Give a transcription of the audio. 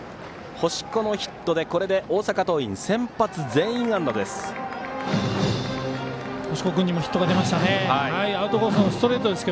星子のヒットで、これで大阪桐蔭先発全員安打です。